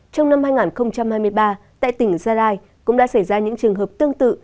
trong năm hai nghìn hai mươi ba tại tỉnh gia lai cũng đã xảy ra những trường hợp tương tự